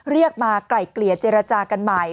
เรียกมาไกล่เกลี่ยเจรจากันใหม่